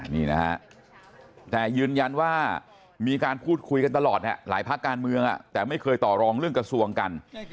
นี่นะฮะแต่ยืนยันว่ามีการพูดคุยกันตลอดหลายภาคการเมืองแต่ไม่เคยต่อรองเรื่องกระทรวงกัน